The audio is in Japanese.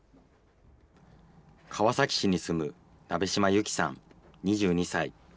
川崎市に住む鍋島悠希さん２２歳。